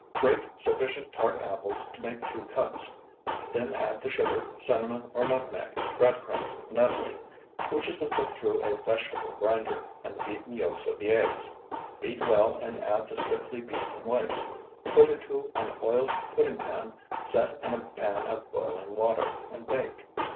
Grate sufficient tart apples to make two cups; then add the sugar, cinnamon or nutmeg, bread crumbs, nuttolene, which has been put through a vegetable grinder, and the beaten yolks of the eggs. Beat well and add the stiffly beaten whites, put into an oiled pudding pan set in a pan of boiling water, and bake.